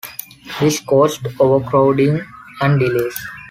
This caused overcrowding and delays.